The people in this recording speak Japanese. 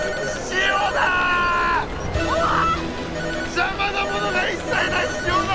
邪魔なものが一切ない塩だ！